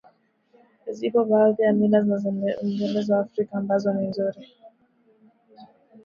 Zipo baadhi ya mila zinazoendelezwa Afrika ambazo ni nzuri